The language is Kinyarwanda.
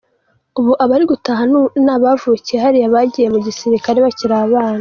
Ubu abari gutaha ni mu bavukiye hariya bagiye mu gisirikare bakiri abana.